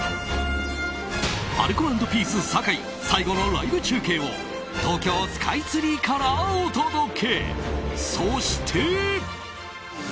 アルコ＆ピース酒井最後のライブ中継を東京スカイツリーからお届け。